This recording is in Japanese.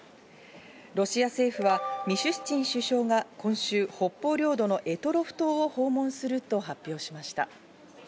ロシア政府はミシュスチン首相が今週、北方領土の択捉島を訪問すると発表しました。